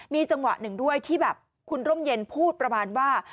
มีจังหวะหนึ่งด้วยที่แบบคุณร่มเย็นพูดประมาณว่า